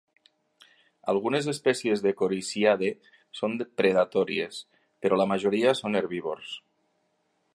Algunes espècies de Corixidae són predatòries, però la majoria son herbívors.